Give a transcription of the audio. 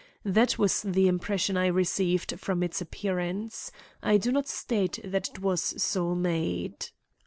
That was the impression I received from its appearance. I do not state that it was so made."